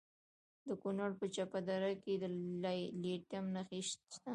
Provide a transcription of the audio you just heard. د کونړ په چپه دره کې د لیتیم نښې شته.